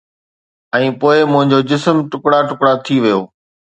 ۽ پوءِ منهنجو جسم ٽڪرا ٽڪرا ٿي ويو